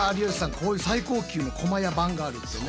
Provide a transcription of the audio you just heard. こういう最高級の駒や盤があるってね。